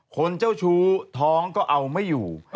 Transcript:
คนเจ้าชู้ท้องก็เอาไม่อยู่